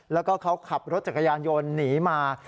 แล้วก็เขาขับรถจักรยานยนต์หนีมา